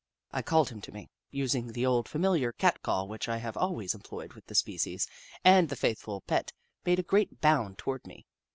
I called him to me, using the old, familiar Cat call which I have always employed with the species, and the faithful pet made a great bound toward me.